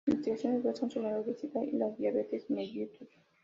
Sus investigaciones versan sobre la obesidad y la diabetes mellitus.